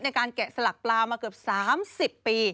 แกะสลักปลามาเกือบ๓๐ปี